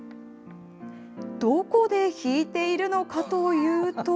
どこで弾いているのかというと。